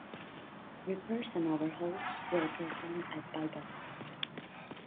Repairs and overhauls were performed at Balboa.